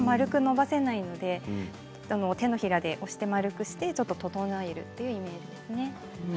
なかなか円くのばせないので手のひらで押して円くしてちょっと整えるというイメージですね。